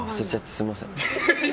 すみません。